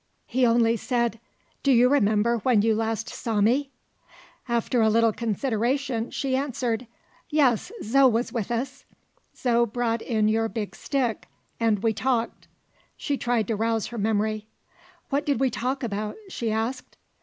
He only said, "Do you remember when you last saw me?" After a little consideration, she answered, "Yes, Zo was with us; Zo brought in your big stick; and we talked " She tried to rouse her memory. "What did we talk about?" she asked.